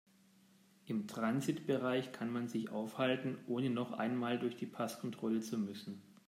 Im Transitbereich kann man sich aufhalten, ohne noch einmal durch die Passkontrolle zu müssen.